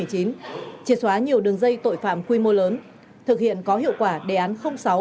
triệt xóa nhiều đường dây tội phạm quy mô lớn thực hiện có hiệu quả đề án sáu